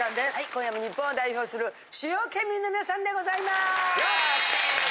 今夜も日本を代表する主要県民の皆さんでございます。